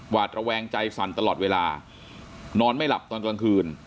วาดระแวงใจสั่นตลอดเวลานอนไม่หลับตอนกลางคืน